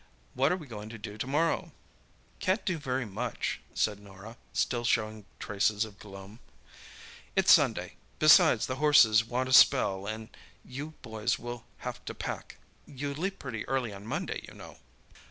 What are we going to do to morrow?" "Can't do very much," said Norah, still showing traces of gloom. "It's Sunday; besides, the horses want a spell, and you boys will have to pack—you leave pretty early on Monday, you know."